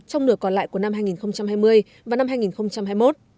trong nửa còn lại của năm hai nghìn hai mươi và năm hai nghìn hai mươi một